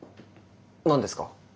何ですか？